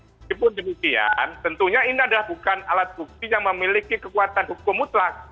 meskipun demikian tentunya ini adalah bukan alat bukti yang memiliki kekuatan hukum mutlak